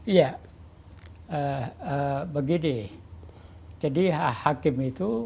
iya begini jadi hakim itu